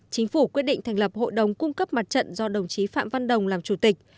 chính phủ quyết định thành lập hội đồng cung cấp mặt trận do đồng chí phạm văn đồng làm chủ tịch